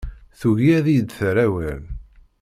Tugi ad iyi-d-terr awal.